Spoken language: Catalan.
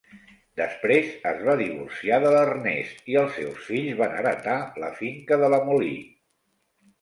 Després, es va divorciar de l'Ernest i els seus fills van heretar la finca de la Mollie.